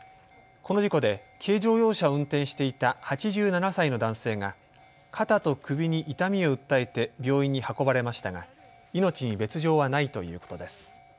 この事故で軽乗用車を運転していた８７歳の男性が肩と首に痛みを訴えて病院に運ばれましたが命に別状はないということです。